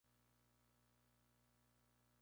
Hay algunas variaciones del famoso "Oni wa soto!